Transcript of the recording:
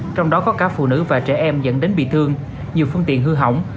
trong đó có cả phụ nữ và trẻ em dẫn đến bị thương nhiều phương tiện hư hỏng